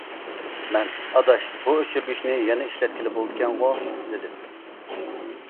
مەن: ئاداش، بۇ ئۆچۈرگۈچنى يەنە ئىشلەتكىلى بولىدىكەنغۇ؟ دېدىم.